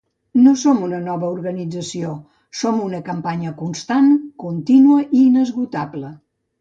No som una nova organització: som una campanya constant, contínua i inesgotable.